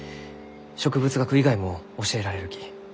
植物学以外も教えられるき。